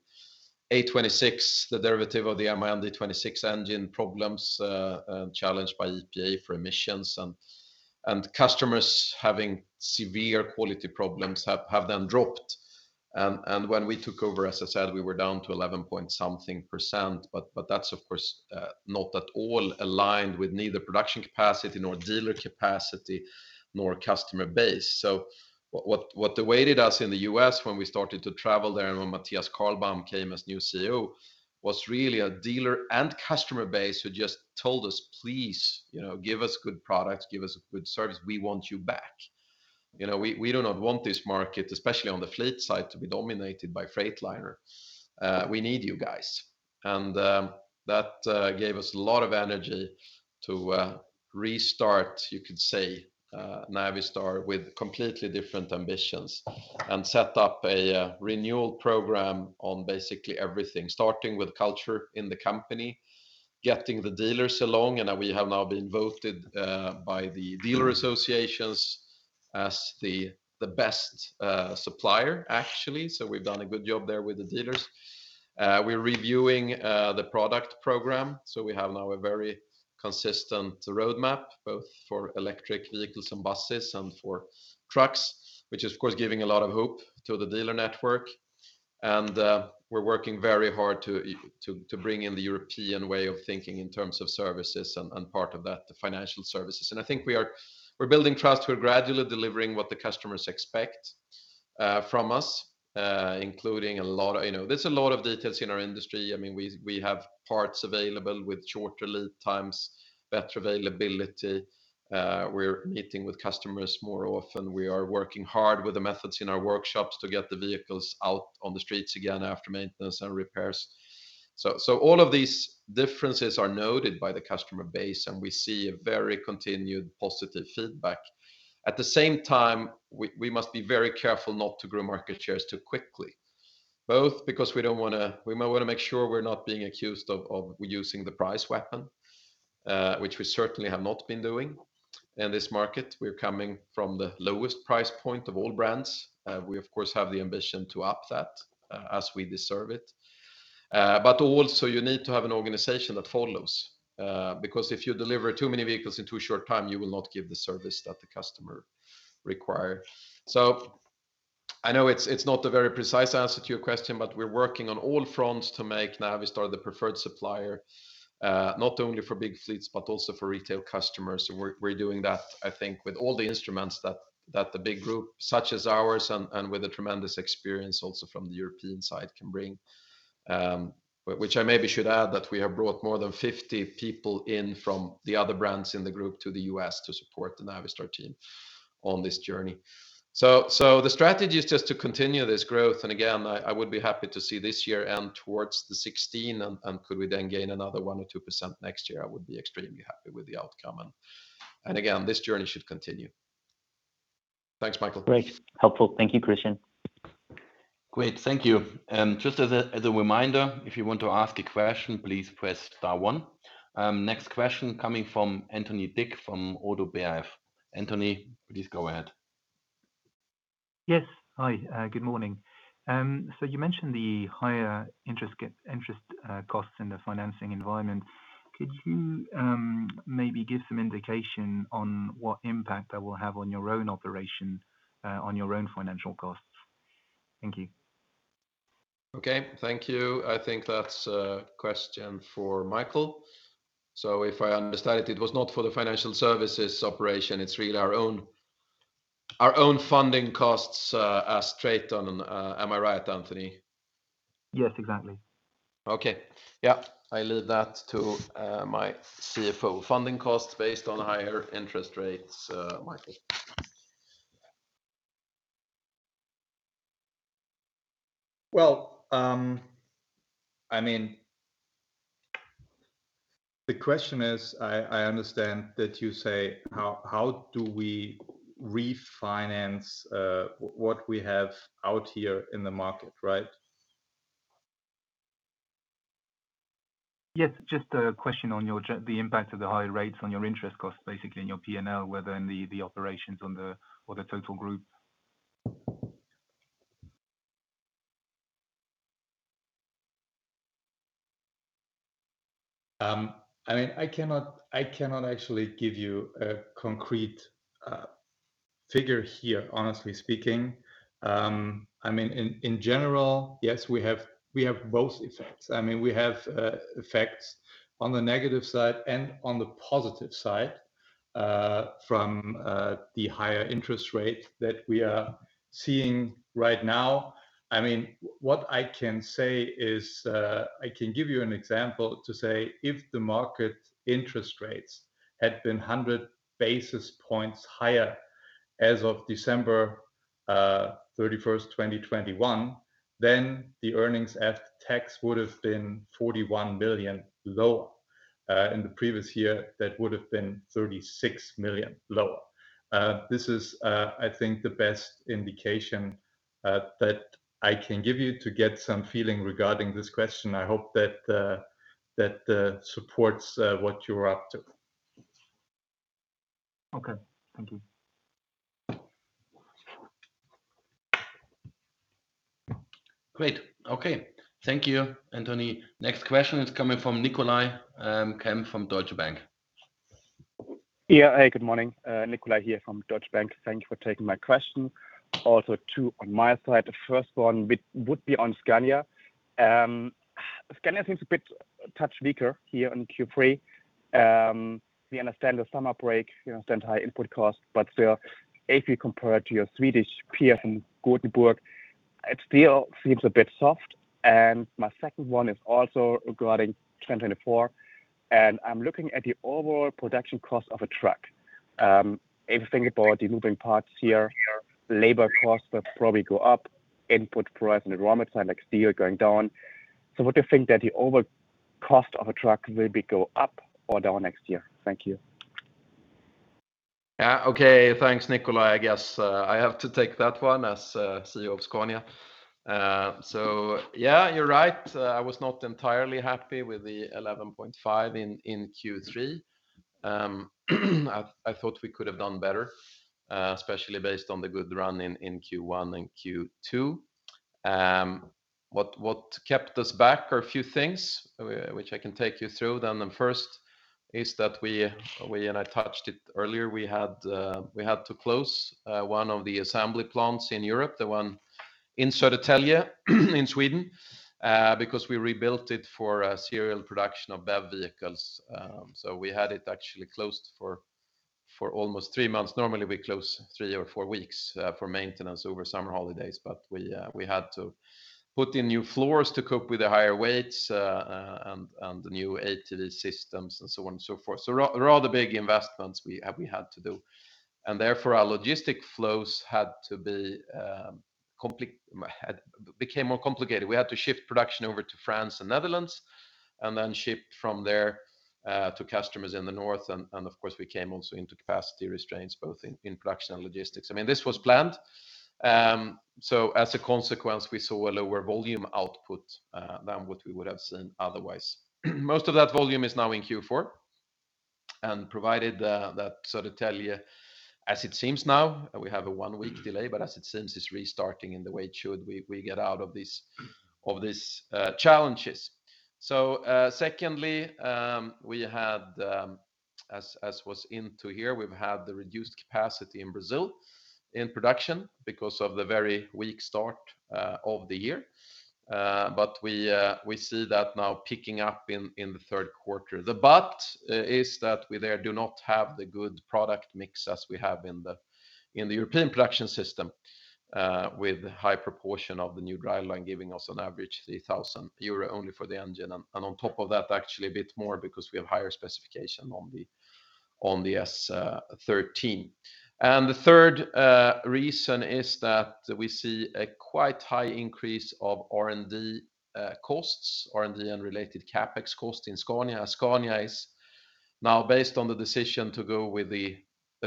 A26, the derivative of the MAN D26 engine problems, and challenged by EPA for emissions, and customers having severe quality problems have then dropped. And when we took over, as I said, we were down to 11 point something percent, but that's of course not at all aligned with neither production capacity nor dealer capacity, nor customer base. So what awaited us in the U.S. when we started to travel there, and when Mathias Carlbaum came as new CEO, was really a dealer and customer base who just told us: "Please, you know, give us good products, give us a good service. We want you back." You know, we do not want this market, especially on the fleet side, to be dominated by Freightliner. We need you guys. That gave us a lot of energy to restart, you could say, Navistar with completely different ambitions. We set up a renewal program on basically everything, starting with culture in the company, getting the dealers along, and now we have been voted by the dealer associations as the best supplier, actually. So we've done a good job there with the dealers. We're reviewing the product program, so we have now a very consistent roadmap, both for electric vehicles and buses and for trucks, which is, of course, giving a lot of hope to the dealer network. We're working very hard to bring in the European way of thinking in terms of services, and part of that, the financial services. I think we're building trust. We're gradually delivering what the customers expect from us, including a lot. You know, there's a lot of details in our industry. I mean, we have parts available with shorter lead times, better availability. We're meeting with customers more often. We are working hard with the methods in our workshops to get the vehicles out on the streets again after maintenance and repairs. So all of these differences are noted by the customer base, and we see a very continued positive feedback. At the same time, we must be very careful not to grow market shares too quickly. Both because we don't wanna. We might wanna make sure we're not being accused of using the price weapon, which we certainly have not been doing. In this market, we're coming from the lowest price point of all brands. We, of course, have the ambition to up that, as we deserve it. But also you need to have an organization that follows, because if you deliver too many vehicles in too short time, you will not give the service that the customer require. So I know it's, it's not a very precise answer to your question, but we're working on all fronts to make Navistar the preferred supplier, not only for big fleets, but also for retail customers. We're, we're doing that, I think, with all the instruments that, that the big group, such as ours and, and with the tremendous experience also from the European side, can bring. Which I maybe should add, that we have brought more than 50 people in from the other brands in the group to the U.S. to support the Navistar team on this journey. So, the strategy is just to continue this growth, and again, I would be happy to see this year end towards the 16, and could we then gain another 1% or 2% next year, I would be extremely happy with the outcome. And again, this journey should continue. Thanks, Michael. Great. Helpful. Thank you, Christian. Great. Thank you. Just as a reminder, if you want to ask a question, please press star one. Next question coming from Anthony Dick from Oddo BHF. Anthony, please go ahead. Yes. Hi, good morning. So you mentioned the higher interest costs in the financing environment. Could you maybe give some indication on what impact that will have on your own operation, on your own financial costs? Thank you. Okay, thank you. I think that's a question for Michael. So if I understand it, it was not for the financial services operation, it's really our own, our own funding costs, as TRATON. Am I right, Anthony? Yes, exactly. Okay. Yeah, I leave that to my CFO. Funding costs based on higher interest rates, Michael. Well, I mean, the question is, I understand that you say, how do we refinance what we have out here in the market, right? Yes, just a question on your gen- the impact of the higher rates on your interest costs, basically, in your P&L, whether in the, the operations on the or the total group. I mean, I cannot, I cannot actually give you a concrete figure here, honestly speaking. I mean, in general, yes, we have, we have both effects. I mean, we have effects on the negative side and on the positive side from the higher interest rate that we are seeing right now. I mean, what I can say is. I can give you an example, to say if the market interest rates had been 100 basis points higher as of December 31st, 2021, then the earnings after tax would have been 41 billion lower. In the previous year, that would have been 36 billion lower. This is, I think, the best indication that I can give you to get some feeling regarding this question. I hope that that supports what you're up to. Okay. Thank you. Great. Okay. Thank you, Anthony. Next question is coming from Nicolai Kempf from Deutsche Bank. Yeah. Hi, good morning. Nicolai here from Deutsche Bank. Thank you for taking my question. Also, two on my side. The first one would be on Scania. Scania seems a bit too weaker here in Q3. We understand the summer break, you know, then high input costs, but still, if you compare to your Swedish peer from Gothenburg. it still seems a bit soft. And my second one is also regarding 2024, and I'm looking at the overall production cost of a truck. If you think about the moving parts here, labor costs will probably go up, input price and raw materials, like steel, going down. So would you think that the overall cost of a truck will be go up or down next year? Thank you. Okay. Thanks, Nicolai. I guess, I have to take that one as CEO of Scania. So yeah, you're right. I was not entirely happy with the 11.5 in Q3. I thought we could have done better, especially based on the good run in Q1 and Q2. What kept us back are a few things, which I can take you through. Then the first is that we, and I touched it earlier, we had to close one of the assembly plants in Europe, the one in Södertälje, in Sweden, because we rebuilt it for a serial production of BEV vehicles. So we had it actually closed for almost three months. Normally, we close three or four weeks for maintenance over summer holidays, but we had to put in new floors to cope with the higher weights, and the new ATD systems and so on and so forth. So rather big investments we had to do, and therefore our logistic flows had to be became more complicated. We had to shift production over to France and Netherlands, and then shipped from there to customers in the north. And of course, we came also into capacity restraints, both in production and logistics. I mean, this was planned. So as a consequence, we saw a lower volume output than what we would have seen otherwise. Most of that volume is now in Q4, and provided that Södertälje, as it seems now, we have a one-week delay, but as it seems, it's restarting in the way it should, we get out of these challenges. So, secondly, we had, as was into here, we've had the reduced capacity in Brazil, in production because of the very weak start of the year. But we see that now picking up in the third quarter. But is that we there do not have the good product mix as we have in the European production system, with high proportion of the new driveline giving us on average 3,000 euro only for the engine. And on top of that, actually a bit more because we have higher specification on the S13. And the third reason is that we see a quite high increase of R&D costs, R&D unrelated CapEx cost in Scania. Scania is now based on the decision to go with the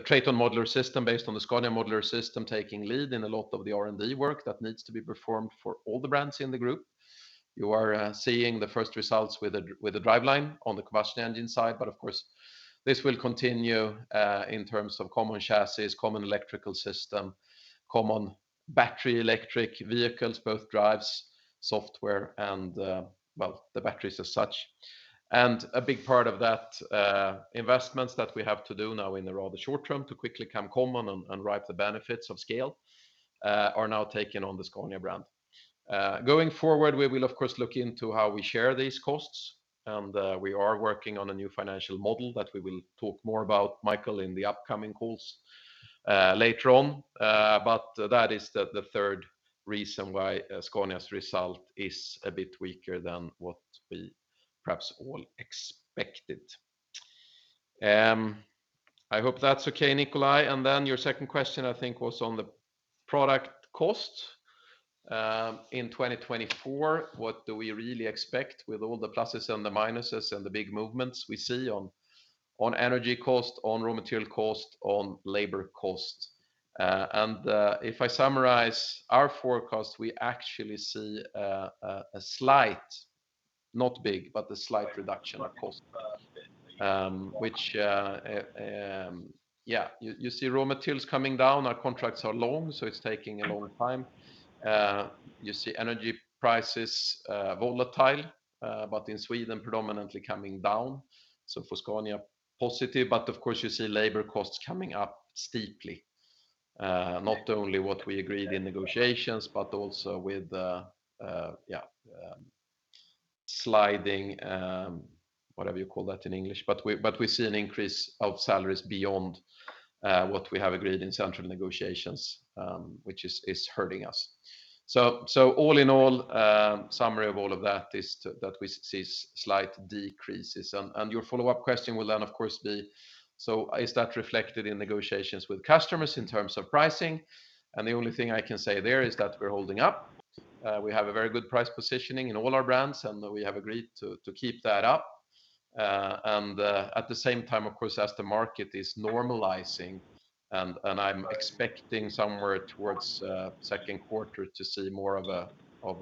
TRATON Modular System, based on the Scania modular system, taking lead in a lot of the R&D work that needs to be performed for all the brands in the group. You are seeing the first results with the driveline on the combustion engine side, but of course, this will continue in terms of common chassis, common electrical system, common battery, electric vehicles, both drives, software, and well, the batteries as such. And a big part of that, investments that we have to do now in the rather short term to quickly become common and ripe the benefits of scale, are now taken on the Scania brand. Going forward, we will of course look into how we share these costs, and we are working on a new financial model that we will talk more about, Michael, in the upcoming calls later on. But that is the third reason why Scania's result is a bit weaker than what we perhaps all expected. I hope that's okay, Nicolai. And then your second question, I think, was on the product cost in 2024. What do we really expect with all the pluses and the minuses and the big movements we see on energy cost, on raw material cost, on labor cost? If I summarize our forecast, we actually see a slight, not big, but a slight reduction of cost, which... Yeah, you see raw materials coming down. Our contracts are long, so it's taking a long time. You see energy prices volatile, but in Sweden, predominantly coming down, so for Scania, positive. But of course, you see labor costs coming up steeply. Not only what we agreed in negotiations, but also with, yeah, sliding, whatever you call that in English, but we see an increase of salaries beyond what we have agreed in central negotiations, which is hurting us. So all in all, summary of all of that is that we see slight decreases. Your follow-up question will then, of course, be, so is that reflected in negotiations with customers in terms of pricing? And the only thing I can say there is that we're holding up. We have a very good price positioning in all our brands, and we have agreed to keep that up. And at the same time, of course, as the market is normalizing, and I'm expecting somewhere towards second quarter to see more of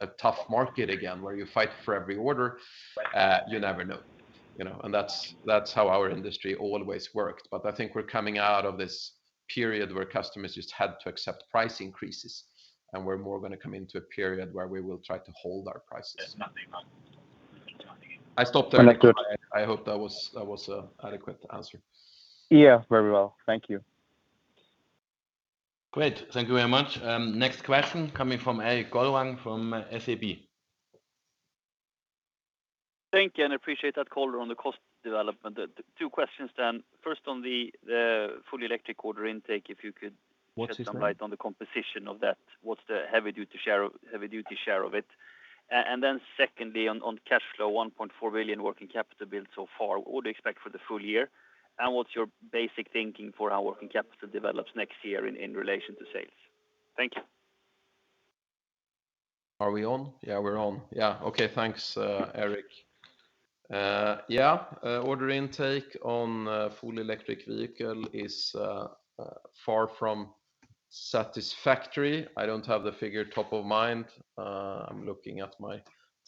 a tough market again, where you fight for every order, you never know, you know? And that's how our industry always worked. But I think we're coming out of this period where customers just had to accept price increases, and we're more gonna come into a period where we will try to hold our prices. I stopped there, Nicolai. I hope that was an adequate answer. Yeah, very well. Thank you. Great. Thank you very much. Next question coming from Erik Golrang from SEB. Thank you, and appreciate that color on the cost development. Two questions then. First, on the fully electric order intake, if you could- What's his name? Just on the composition of that, what's the heavy-duty share of it? And then secondly, on cash flow, 1.4 billion working capital build so far, what do you expect for the full year? And what's your basic thinking for our working capital develops next year in relation to sales? Thank you. Are we on? Yeah, we're on. Yeah. Okay, thanks, Erik. Yeah, order intake on full electric vehicle is far from satisfactory. I don't have the figure top of mind. I'm looking at my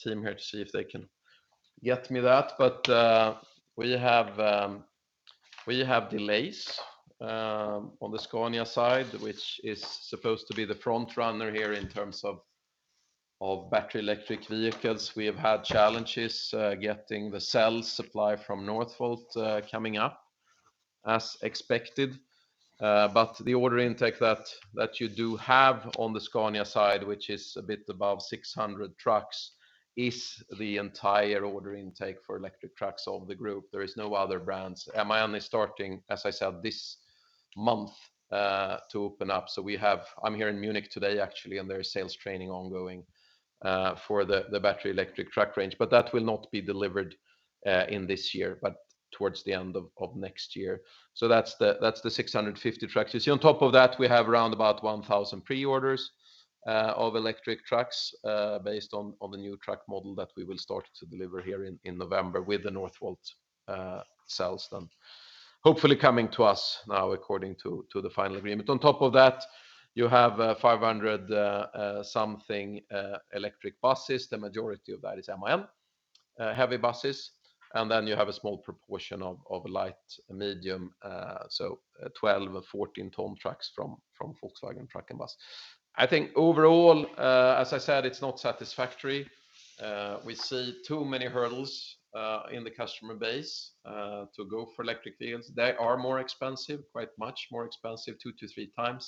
team here to see if they can get me that. But we have delays on the Scania side, which is supposed to be the front runner here in terms of battery electric vehicles. We have had challenges getting the cell supply from Northvolt coming up as expected. But the order intake that you do have on the Scania side, which is a bit above 600 trucks, is the entire order intake for electric trucks of the group. There is no other brands. MAN is only starting, as I said, this month to open up. So we have. I'm here in Munich today, actually, and there is sales training ongoing for the battery electric truck range, but that will not be delivered in this year, but towards the end of next year. So that's the 650 trucks. You see, on top of that, we have around about 1,000 pre-orders of electric trucks based on the new truck model that we will start to deliver here in November with the Northvolt cells then hopefully coming to us now, according to the final agreement. On top of that, you have 500 something electric buses. The majority of that is MAN heavy buses, and then you have a small proportion of light, medium, so 12- or 14-ton trucks from Volkswagen Truck & Bus. I think overall, as I said, it's not satisfactory. We see too many hurdles in the customer base to go for electric vehicles. They are more expensive, quite much more expensive, 2x-3x.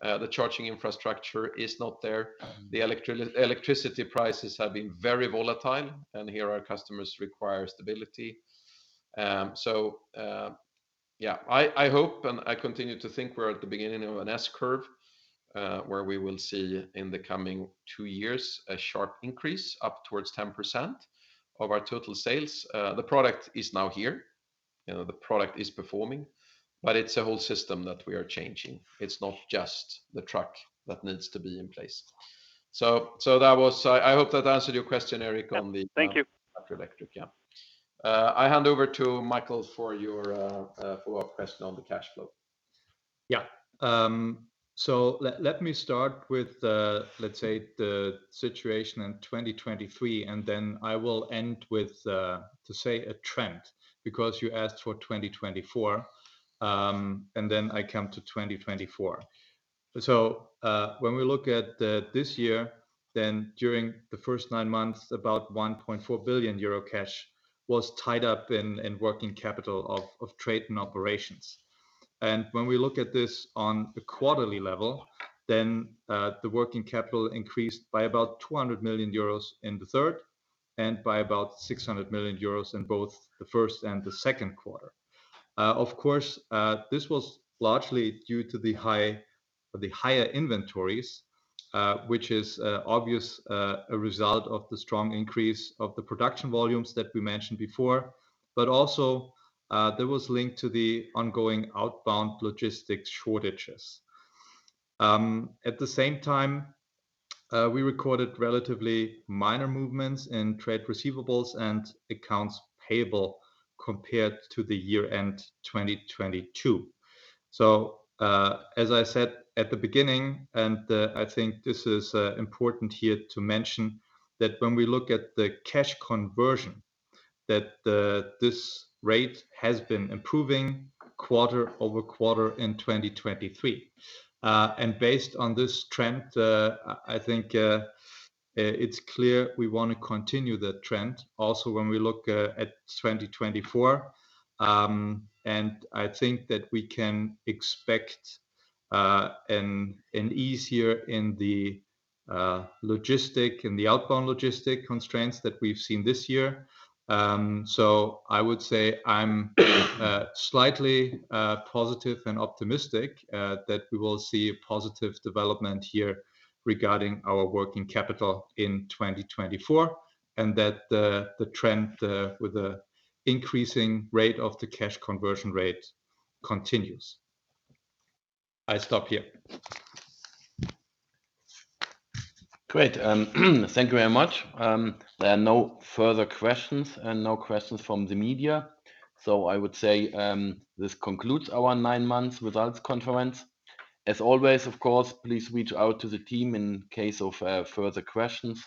The charging infrastructure is not there. Electricity prices have been very volatile, and here our customers require stability. So, I hope, and I continue to think we're at the beginning of an S-curve, where we will see in the coming two years, a sharp increase, up towards 10% of our total sales. The product is now here, you know, the product is performing, but it's a whole system that we are changing. It's not just the truck that needs to be in place. So that was. I hope that answered your question, Erik, on the- Thank you. Battery electric, yeah. I hand over to Michael for your question on the cash flow. Yeah. So let me start with, let's say, the situation in 2023, and then I will end with to say, a trend, because you asked for 2024, and then I come to 2024. When we look at this year, then during the first nine months, about 1.4 billion euro cash was tied up in working capital of trade and operations. And when we look at this on a quarterly level, then the working capital increased by about 200 million euros in the third, and by about 600 million euros in both the first and the second quarter. Of course, this was largely due to the high, the higher inventories, which is obvious, a result of the strong increase of the production volumes that we mentioned before, but also, there was link to the ongoing outbound logistics shortages. At the same time, we recorded relatively minor movements in trade receivables and accounts payable compared to the year-end 2022. So, as I said at the beginning, and, I think this is important here to mention, that when we look at the cash conversion, that the, this rate has been improving quarter-over-quarter in 2023. And based on this trend, I, I think, it's clear we want to continue the trend also when we look at 2024. And I think that we can expect an ease here in the logistics, in the outbound logistics constraints that we've seen this year. So I would say I'm slightly positive and optimistic that we will see a positive development here regarding our working capital in 2024, and that the trend with the increasing rate of the cash conversion rate continues. I stop here. Great. Thank you very much. There are no further questions and no questions from the media. So I would say, this concludes our nine-month results conference. As always, of course, please reach out to the team in case of further questions.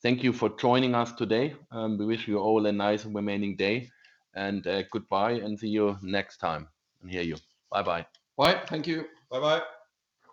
Thank you for joining us today, and we wish you all a nice remaining day, and goodbye, and see you next time, and hear you. Bye-bye. Bye. Thank you. Bye-bye.